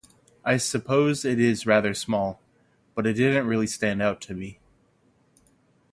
I suppose it is rather small, but it didn’t really stand out to me.